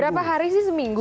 berapa hari sih seminggu